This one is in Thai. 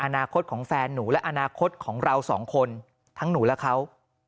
อนาคตของแฟนหนูและอนาคตของเราสองคนทั้งหนูและเขา